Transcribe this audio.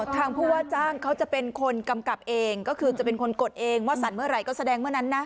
ทางผู้ว่าจ้างเขาจะเป็นคนกำกับเองก็คือจะเป็นคนกดเองว่าสั่นเมื่อไหร่ก็แสดงเมื่อนั้นนะ